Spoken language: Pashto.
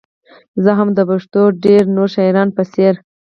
زه هم د پښتو ډېرو نورو شاعرانو په څېر.